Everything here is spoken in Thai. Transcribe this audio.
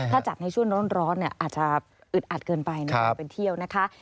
ถ้าจัดในช่วงร้อนอาจจะอึดอัดเกินไปในการเป็นเที่ยวนะคะ